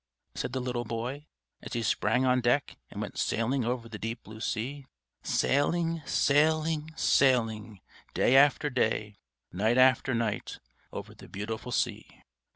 said the little boy, as he sprang on deck and went sailing over the deep blue sea, sailing, sailing, sailing, day after day, night after night, over the beautiful sea.